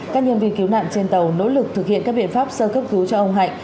các nhân viên cứu nạn trên tàu nỗ lực thực hiện các biện pháp sơ cấp cứu cho ông hạnh